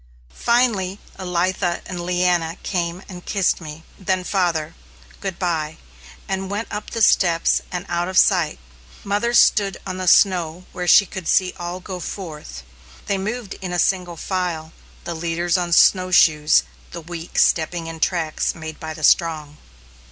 Finally Elitha and Leanna came and kissed me, then father, "good bye," and went up the steps, and out of sight. Mother stood on the snow where she could see all go forth. They moved in single file, the leaders on snowshoes, the weak stepping in the tracks made by the strong.